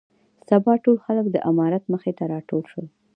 سبا ټول خلک د امارت مخې ته راټول شول.